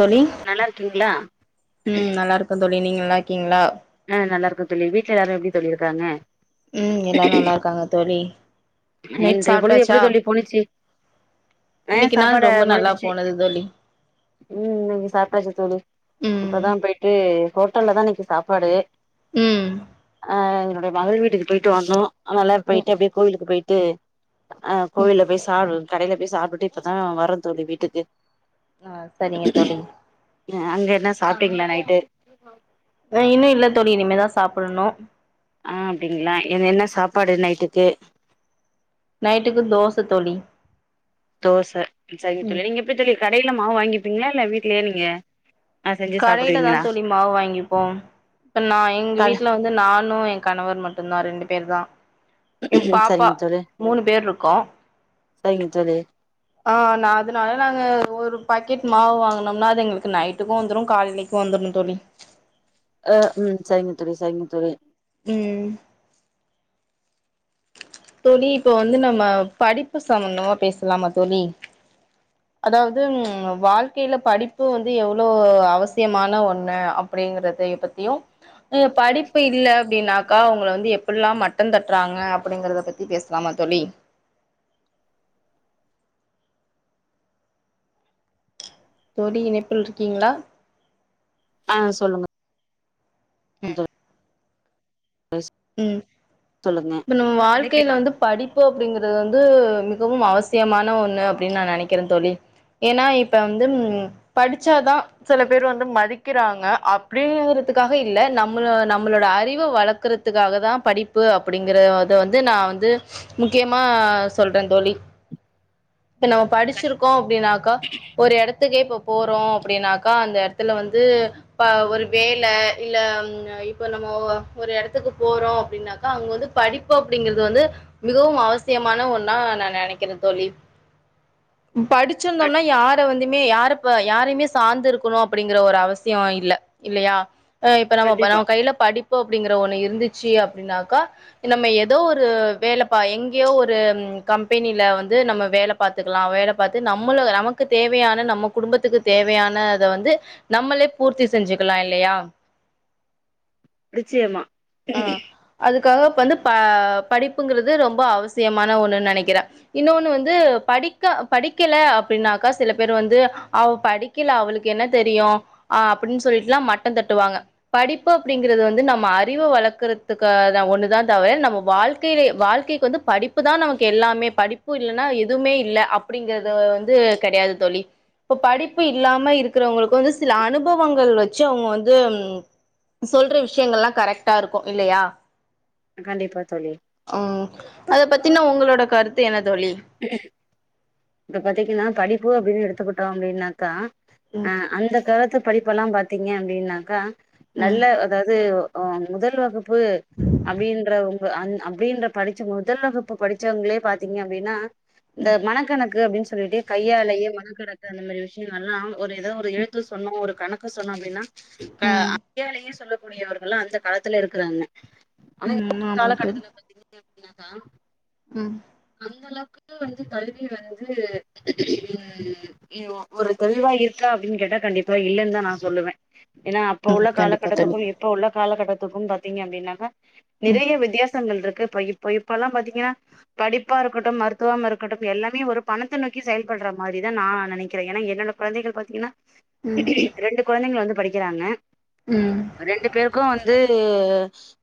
தோழி நல்லா இருக்கீங்களா ம் நல்லா இருக்கோ தோழி நீங்க நல்லா இருக்கீங்களா அ நல்லா இருக்கோ தோழி வீட்லயெல்லாரு எப்டி தோழி இருக்காங்க ம் எல்லா நல்லா இருக்காங்க தோழி நைட் இன்றைய பொழுது எப்பிடி சாப்ட்டாச்சா தோழி போனிச்சு ஹ இன்னைக்கு நாள் சாப்பாட ரொம்ப நல்லா முடிஞ்சிச்சு போனது தோழி ம் இ சாப்ட்டாச்சு தோழி ம் இப்பதா போயிட்டு ஹோ ட்டல்ல தா இன்னிக்கு சாப்பாடு ம் என்னுடைய மகள் வீட்டுக்கு போய்ட்டட்டு வந்தோ அதனால ம் போயிட்டு அப்டியே கோவிலுக்கு போயிட்டு டு அ ம் கோவில்ல போய் சாப் கடையில போய் சாப்பிட்டு இப்பதா வரோ தோழி வீட்டுக்கு அ செரிங்க தோழி அங்க என்ன சாப்பிட்டீங்களா நைட்டு இன்னு இல்ல தோழி இனிமேதா சாப்பிடணு அ அப்டிங்களா எ என்ன சாப்பாடு நைட்டுக்கு நைட்டுக்கு தோச தோழி தோச செரிங்க ம் தோழி நீங்க எப்டி தோழி கட் கடையில மாவு வாங்கிப்பீங்களா இல்ல வீட்லயே நீங்க ஆ செஞ்சு கடையில தா சாப்டுவீங்களா தோழி மாவு வாங்கிப்போ இப்ப நா எங்க கட வீட்ல வந்து நானு என் கணவர் மட்டு தா ரெண்டு பேர்தா என் பாப்பா சரிங்க தோழி மூணு பேர் இருக்கோ சரிங்க தோழி அ அதுனால நாங்க ஒரு பாக்கெட் மாவு வாங்கனும்னா அது எங்களுக்கு நைட்டுக்கும் வந்துரும் காலையிலக்கும் வந்துரும் தோழி ஹ ம் செரிங்க தோழி செரிங்க தோழி ம் தோழி இப்ப வந்து நம்ம படிப்பு சம்பந்தமா பேசலாமா தோழி அதாவது ம் வாழ்க்கைகேல படிப்பு வந்து எவ்ளோ அவசியமான ஒண்ணு அப்டிங்கறது பத்தியு படிப்பு இல்லன்னாக்கா அவங்கள வந்து எப்புலா மட்டம் தட்டுறாங்க அப்டிங்கறத பத்தி பேசலாமா தோழி தோழி இணைப்பில் இருக்கீங்ளா அ சொல்லுங்க அந்த ம் சொல்லுங்க முன்னோ வாழ்க்கைல வந்து படிப்பு அப்டிங்கிறது வந்து முன்னு மிகவும் அவசியமான ஒண்ணு அப்டின்னு நா நெனைக்கிற தோழி ஏன்னா இப்ப வந்து படிச்சாதா சில பேர் வந்து மதிக்கிறாங்க அப்டிங்கதுக்காக இல்ல நம்மளோ நம்மளோட அறிவு வளர்க்க த்துக்காக தா படிப்பு அப்டிங்கற வந்து நா வந்து முக்கியமா சொல்ற தோழி இப்ப நம்ம படிச்சிருக்கோ அப்டினாக்கா ஒரு எடத்துக்கே இப்போப் போறோ அப்டினாக்கா அந்த எடத்துல வந்து பா ஒரு வேல இல்ல ம் அ இப்போ நம்ம ஓ ஆ ஒரு எடத்துக்கு போறோ அப்டின்னாக்கா அங்க வந்து படிப்பு அப்டிங்கிறது வந்து மிகவும் அவசியமான ஒண்ணா நா நெனைக்கிற தோழி படிச்சிருந்தோம்னா யார வந்து மே யாரு இப்ப யாரையுமே சார்ந்து இருக்குனு அப்டிங்கிற ஒரு அவசியோ இல்ல இல்லியா அ இப்ப நம்மோ கண்டிப்பா நம் கைல படிப் போ அப்டிங்கற ஒன்னு இருந்தித் சி அப்டின்னாக்கா நம்ம ஏதோ ஒரு வேலப்பா எங்யோ ஒரு கம்பெனில வந்து நம்ம வேல பாத்துக்கலா வேல பாத்து நம்மள நமக்கு தேவையான நம்ம குடும்பத்துக்கு தேவையான அத வந்து நம்மளே பூர்த்தி செஞ்சிக்கலா இல்லையா நிச்சியம்மா அ அதுக் க்காக பந்து ப அ படிப்புங்றது ரொம்ப அவசியமான ஒன்னுன் நெனைக்கிற இன்னொன்னு வந்து படிக்க படிக்கல அப்டினாக்கா சில பேர் வந்து அவ்வோ படிக்கல அவளுக்கு என்ன தெரியு ஆ அப்டின்னு சொல்லிட்டுலா மட்ட தட்டுவாங்க படிப்பு அப்டிங்கறது வந்து நம்ம அ அறிவு வளர்க்கறதுக்கு அ தா ஒன்னுதா தவிர நம்ம வாழ்க்கைலே வாழ்க்கைக்கு வந்து படிப்பு தா நமக்கு எல்லாமே படிப்பு இல்லன்னா எதுவுமே இல்ல அப்டிங்கறது வந்து கேடையாது தொழி இப்போ படிப்பு இல்லாம இருக்கிறவங்களுக்கு வந்து சில அனுபவங்கள் வச்சி அவுங்க வந்து ம் சொல்ற விஷ்யங்கள்லா கரெக்ட் ட்டா இருக்கு இல்லையா கண்டிப்பா தோழி ஹம் அத பத் தின்ன உங்களோட கருத்து எனத் தோழி இப்ப பாத்தங்கன்னா படிப்பு அப்டின்னு எடுத்தூகிட்டோ அப்டின்னாக்கா ம் அ அந்த கலத்துக் படிப்பெல்லா பாத்தீங்க அப்டின்னாக்கா ம் நல்ல அதாவது ஒ ஒ முதல் வகுப் பு அப்டின்ற உ பு வ அந் அப்டின்ற படிச்ச முதல் வகுப்பு படித்தவங்களே பாத்தீங்க அப்டின்னா இந்த மன கணக் இரு அப்டின்னு சொல்லிட்டு கையாலேயே மனகடக்க அந்த மாறி விஷ்யோ எல்லா ஒரு ஏதோ ஒரு எழுத்து சொன்னோ ஒரு கணக்கு கஸ் சொன்னா அப்டின்னா க ம் அப் [inaudible] சொல்றப் கூடியவர்கள்ல்லா அந்த காலத்துல இருக்றாங்க ஆன ப்பொ ம் ஆமா தோழி காலகட்டத்துல பாத்தீங்கன என்னக்கா ம் அந்த அளவுக்கு வந்து கல்வி வந்து உ ஒரு தெளிவா இருக்கா அப்டின்னு கேட்டா கண்டிப்பா இல்லன்னு தா நா சொல்லுவே ஏன்னா அப்ப ம் உள்ள கண்டிப்பா தோழி காலகட்டத்துக்கும் இப்ப உள்ள காலகட்டத்துக்கும் பாத்தீங்க அப்டின்னாக்கா ம் நிறைய வித்தியாசங்கள் இருக்கு இப்ப இப்ப இப்ப எல்லா பாத்தீங்கன்னா படிப்பா இருக்கட்டும் மருத்துவமாக இருக்கட்டும் எல்லாமே ஒரு பணத்த நோக்கி செயல்பட்ற மாரி தா நான் நெனைக்கிறே ஏன்னா என்னோட கொழந்தைகள் பாத்தீங்கன்னா ம் ரெண்டு கொழந்தைங்கள வந்து படிக்கிறாங்க ம் ம் ரெண்டு பேருக்கு வந்து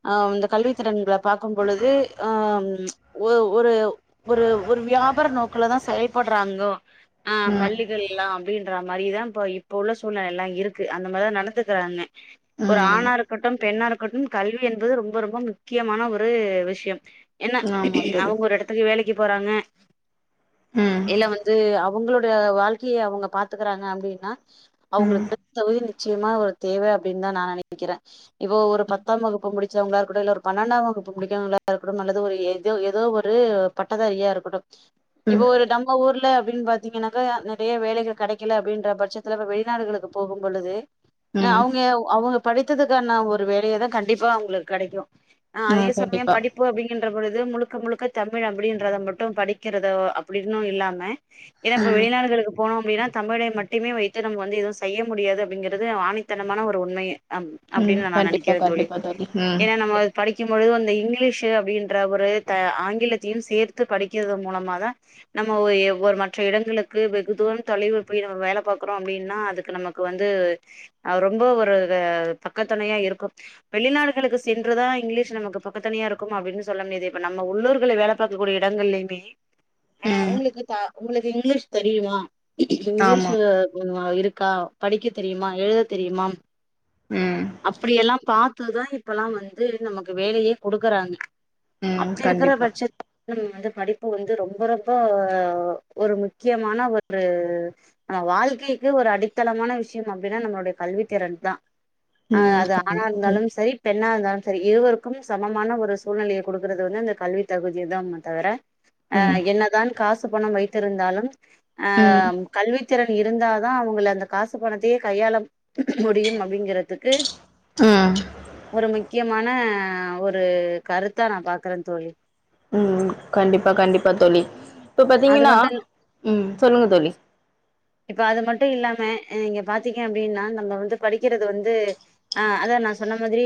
அஹ் இந்த கல்வித்திறன்கள பாக்கு பொழுது அஹ் ஒர்வ் ஒரு ஒரு ஒரு வியாபார நோக்குலதா செயல்படுறாங்கோ ஆ ம் பள்ளிகள் எல்லா அப்டின்றாங்க மரிதா பா இப்ப உள்ள சூழ்நெல எல்லா இருக்கு அந்த மாரிதா நடத்துக்குறாங்க ஒரு ஆணா இருக்கட்டும் பெண்ணா இருக்கட்டும் கல்வி என்பது ரொம்ப ரொம்ப முக்கியமான ஒரு விஷ்யம் ஆமாத்த அவுங்க ஒரு எடத்துக்கு வேலக்கி போறாங்க ம் இல்ல வந்து அவுங்களோட ப்ப வாழ்க்கைய அவுங்க பாத்துக்குறாங்க அப்டின்னா ம் அவுங்களுக்குத் தகுதி நிச்சியமா ஒரு தேவ அப்டின்தா நா நெனக்கிறே இப்போ ஒரு பத்தாம் வகுப்பு முடிச்சவங்களா இருக்கட்டு இல்ல ஒரு பன்னண்டாம் வகுப்பு புடிக்காதவங்கலா இருக்கட்டும் அல்லது ஒரு ஏதோ எது எதோ ஒரு பட்டதாரியா இருக்கட்டும் இப்போ ம் ஒரு நம்ம ஊர்ல அப்டின்னு பாத்தீங்கன்னாக்கா நெறைய வேலைகள் கெடைக்கல அப்டின்ற பட்சத்துல இப்ப வெளிநாடுகளுக்கு போகும் பொழுது ம் அவுங்க அவுங்க படித்ததுக்கான ஒரு வேலைய தா கண்டிப்பா அவுங்களுக்கு கெடைக்கும் ஆ ம் அதே சமயம் கண்டிப்பா படிப்பு அப்புடிங்கின்ற பொழுது முழுக் முழுக்க முழுக்க தமிழ் அப்டின்றத மட்டும் படிக்கிறத அப்புடின்னு இல்லாம ஏன்னா இப்ப வெளிநாடுகளுக்கு போனோம் அப்டின்னா தமிழை மட்டுமே வைத்து நம்ம வந்து எதுவு செய்ய முடியாது அப்டிங்கிறது ஆணித்தனமான ஒரு உண்மை அப் ம் அப்டின்னு நா நா கண்டிப்பா நெனக்குறே தோழி கண்டிப்பா ம் ஏன்னா நம்ம படிக்கும்பொழுது வந்த இங் இங்கிலீஷ்சு அப்டின்ற ஒரு த்த ஆங்கிலத்தயு சேர்த்து படிக்கிறது மூலமாதா நம்மோவ் ஓர் மற்ற இடங்களுக்கு வெகுதூரம் தொலைவு போய் நம்ம வேல பாக்குறோ அப்டின்னா அதுக்கு நமக்கு வந்து அ ரொம்போ ஒரு பக்கத்துணையா இருக்கும் வெளிநாடுகளுக்கு சென்றுதா இங்கிலீஷ் நமக்கு பக்கத்துணையா இருக்கும் அப்டின் சொல்ல முடியாது எப் இப்ப நம்ம உள்ளுர்கல்ல வேல பாக்கக்கூடியெ இடங்கள்லயுமே ஆ ம் உங்ளுக்கு தா உங்ளுக்கு இங்க்லீஷ் தெரியுமா ஆமா இங்கிலீஷூ கோன் வா இருக் க்கா படிக்கத் தெரியுமா எழுத தெரியுமா ம் அப்டியெல்லா பாத் துதா இப்பல்லா வந்து நமக்கு வேலையே குடுக்குறாங்க ம் அப்டி இருக்குற கண்டிப்பா பட்சத் துக்கு வந்து படிப்பு வந்து ரொம்ப ரொம்போஒ ஒரு முக்கியமான ஒரு ஆ வாழ்க்கைக்கு ஒரு அடித்தளமான விஷ்யம் அப்டினா நம்மளுடைய கல்வி திறன் தா ஆ ம் அது ஆணா கண்டிப்பா தோழி இருந்தாலும் சரி பெண்ணா இருந்தாலும் சரி இருவருக்கும் சமமான ஒரு சூழ்நெலய குடு குடுக்குறது வந்து அந்த கல்வி தகுதிதான தவர அ ம் என்னதான் காஸ் து பணம் வைத்திருந்தாலும் ஆ ம் கல்வித் திரன் இருந்தா தா அவங்களெ அந்தெ காசு பணத்தையே கையாள முடியும் அப்டிங்கிறதுக்கு ம் முக்கியமானே ஒரூ கருத் த்தா நா பாக்குறேன் தோழி ம் ம் கண்டிப்பா கண்டிப்பா தோழி இப்ப அது பாத்தீங்கனா மட்டு ம் சொல்லுங்க தோழி இப்பொ அது மட்டுயில்லாமெ நீங்க பாத்தீங்கெ அப்டின்னா நம்ப வந்து படிக்கிறது வந்தூ ஆ அதா நா சொன்ன மாதிரி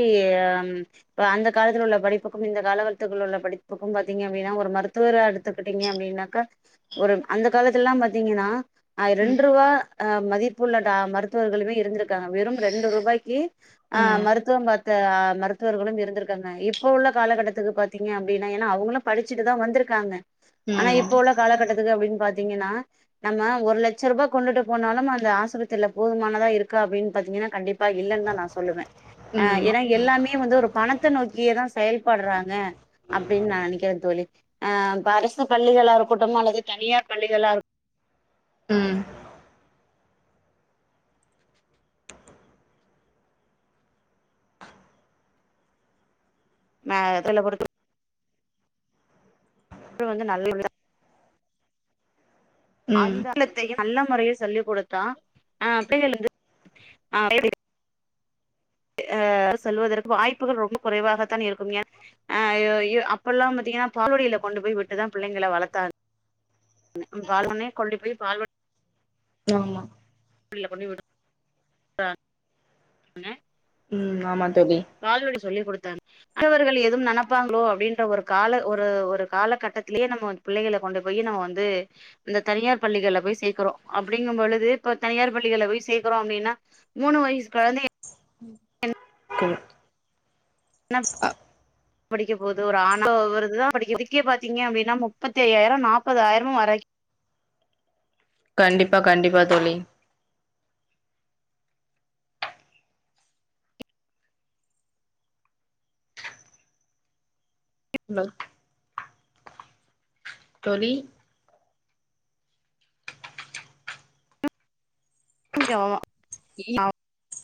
ம் அந்த காலத்துள்ள படிப்புக்கும் இந்த காலகலத்துக்குலுள்ள படிப்புக்கும் புன் பார்த்தீங்கெ அப்டினா ஒரு மருத்துவரா எடுத்துகிட்டீங்கெ அப்டின்னாக்கா ஒரு அந்த காலத்துல்லா பாத்தீங்கினா ஆய் ம் ரெண்டுருவா ஆ மதிப்புள்ளடா மருத்துவர்களுமே இருந்திருக்காங்க வெறும் ரெண்டு ரூபாய்க்கீ ஆ ம் மருத்துவம் பார்த்தே ஆ மருத்துவர்களும் இருந்திருக்காங்கெ இப்போ உள்ள காலகட்டத்துக்கு பாத்தீங்கே அப்டினா எனா அவங்குளு படிச்சுட்டுதா வந்திருக்காங்கெ அனா ம் இப்போள்ளெ காலகட்டத்துக்கு அப்டின் பாத்தீங்கினா நம்மே ஒரு லட் லட்ச ரூபா கொண்டுட்டு போனாலும் அந்த ஆசுபத்திரில போதுமானதாயிருக்கா அப்டின் பாத்தீங்கினா கண்டிப்பா இல்லன் தா நா சொல்லுவெ ம் ஆ ம் ஏனா எல்லாம்மே வந்துரு பணத்த நோக்கியேதா செயல்பட்றாங்கெ அப்டின் நா நெனகிறே தோழி ஆ ப அரசு பள்ளிகளாருக்கொடொம் அல்லது தனியார் பள்ளிகளாரு மேதுளெ பொருத்து [unintelligible] வந்து நல்ல [unintelligible] விதா ம் அந்தெ நல்ல முறையில் சொல்லி குடுத்தா ஆ அப்டேள்ளுந்து ஆ ஆ சொல்வதற்கு வாய்ப்புகள் ரொம்போ குறைவாகத்தான் இருக்கும் ஏன் ஆய்யோயோ அப்பல்லா பாத்தீங்கினா பால்வடிலெ கொண்டு போய் விட்டுதா புள்ளிங்களெ வளத்தாங் பால்வன்னே கொண்டி போய் பால்வ ஆமா [unintelligible] கொண்டி விடுறாங்கெ ம் ஆமான் பால்வாடி சொல்லி குடுத்தாங் அடுத்தவர்கள் எதும் நெனப்பாங்ளோ அப்டின்ற ஒரு கால ஒரு ஒரு காலகட்டத்திலேயே நம்மோ புள்ளெகளெ கொண்டு போய் நமொ வந்தூ இந்த தனியார் பள்ளிகள்லெ போய் சேக்குறோ அப்டிங்கும் பொழுது இப்பொ தனியார் பள்ளிகள்ள போய் சேக்கொறோ அப்டினா மூணு வயிஸ் கொழந்தெயெ க என்னப் படிக்க போதோ ஒரு ஆணா வருதுதா படிக்க இதுக்கே பாத்தீங்கெ அப்டினா முப்பத்தி ஐயாயிரம் நாப்பதாயிரமும் வரைக்க கண்டிப்பா கண்டிப்பா தோழி ந தோழி [unintelligible]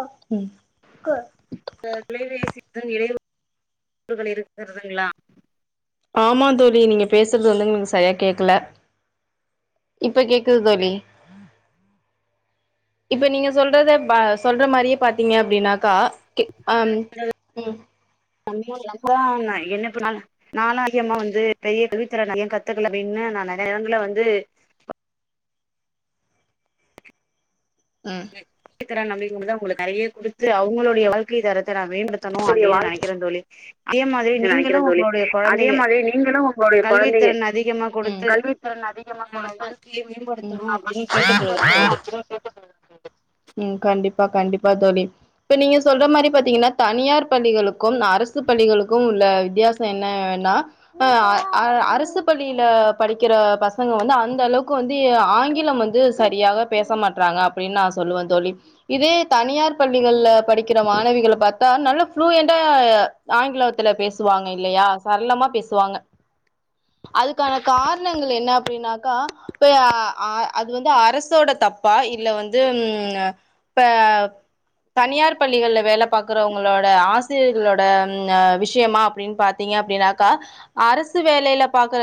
ம் தொலைவேசி [inaudible] இ டைவகள் இருக்கிறதுங்களா ஆமா தோலி நீங்க பேசுறது வந்து எங்களுக்கு சரியா கேக்கல இப்ப கேக்குது தோலி இப்ப நீங்க சொல்றத பா சொல்ற மாரியே பாத்தீங்க அப்படின்னாக்கா கே ஆம் ம் கம்மான் நம்பதான் நா என்ன பண்ணாலு நாலாம் அதிகமா வந்து பெரிய வித்தர நறைய கத்துக்கல அப்படின்னு நான் நறைய எடங்கல்ல வந்து ம் க்குறேன் நம்பிக்கிய அப்டிங்கிறத அவங்களுக்கு நறைய குடுத்து அவங்களொடைய வாழ்க்கை தரத்த தர வேண்டுத்தணும் அப்படின்னு நெனைக்கிறேன் தோலி நெனைக்கிறேன் தோழி அதே மாதிரி நீங்களும் உங்களுடைய கொழந்தைங்க கல்வித்திறன் அதிகமா கொடுத்து கல்வி திறன் அதிகமா ஆ கொடுத்து வாழ்க்கையை மேம்படுத்தணு அப்படின்னு [inaudible] கேட்டுக்கொள்கிறேன் தோழி கேட்டுக் கொள்கிறேன் ம் கண்டிப்பா கண்டிப்பா தோலி இப்ப நீங்க சொல்ற மாரி பாத்தீங்கன்னா தனியார் பள்ளிகளுக்கும் அரசு பள்ளிகளுக் கும் உள்ள வித்தியாச என்னன்னா ஆ அரசு பள்ளியில படிக்கிற பசங்க வந்து அந்த அளவுக்கு வந்து ஆங்கிலம் வந்து சரியாக பேச மாட்றாங்க அப்படின்னு நான் சொல்லுவேன் தோழி இதே தனியார் பள்ளிகள்ளல படிக்கிற மாணவிகள பாத்தா நல்ல ஃப்ளுயென்டா ஆங்கில த்துல பேசுவாங்க இல்லையா சரளமா பேசுவாங்க அதுக்கான காரணங்கள் என்ன அப்டின்னாக்கா பே அ அது வந்து அரசோட தப்பா இல்ல வந்து இப்ப தனியார் பள்ளிகள்ல வேல பாக்குறவங்களோட ஆசிரியர்களோட அ விஸ் விஷயமா அப்டின்னு பாத்தீங்க அப்டினாக்கா அரசு வேலேல பாக்குற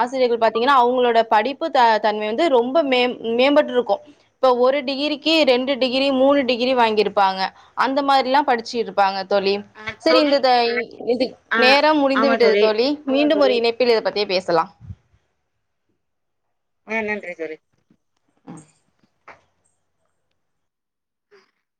ஆசிரியர்கள் பாத்தீங்கன்னா அவுங்களோட படிப்பு த தன்மை வந்து ரொம்ப மே மேம்பட்டு இருக்கும் இப்ப ஒரு டிகிரிக்கு ரெண்டு டிகிரி மூணு டிகிரி வாங்கிருப்பாங்க அந்த மாரிலாம் படுச்சி இருப்பாங்க தோழி ஆ செரி தோழி இந்த த [unintelligible] ஆ நேரம் முடிந்து விட்டது தோழி மீண்டும் ஒரு இணைப் [unintelligible] பத்தியே பேசலாம் ஆ நன்றி தோழி